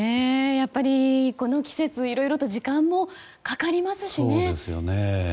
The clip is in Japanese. やっぱり、この季節いろいろ時間もかかりますしね。